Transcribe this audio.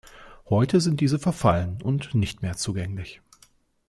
Heute sind diese verfallen und nicht mehr zugänglich.